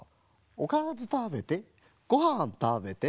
おかずたべてごはんたべて」